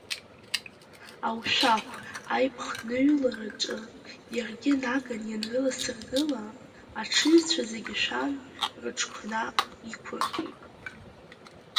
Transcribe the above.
Аушәақә аиԥхныҩлараҿы иаргьы наган ианрыласыргыла, аҽыҩцәа зегь шәан, рыҽқәа наҟ иқәыргеит.